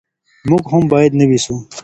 موږ هم باید نوي سو.